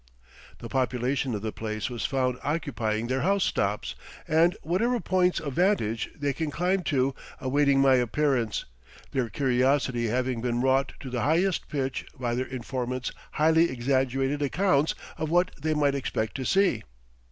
The population of the place are found occupying their housetops, and whatever points of vantage they can climb to, awaiting my appearance, their curiosity having been wrought to the highest pitch by their informant's highly exaggerated accounts of what they might expect to see.